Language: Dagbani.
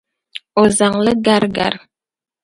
O zaŋ li gari gari.